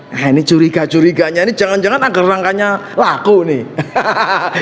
nah ini curiga curiganya ini jangan jangan agar rangkanya laku nih